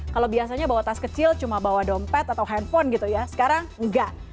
kalau biasanya bawa tas kecil cuma bawa dompet atau handphone gitu ya sekarang enggak